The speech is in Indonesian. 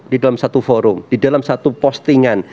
di dalam satu forum di dalam satu postingan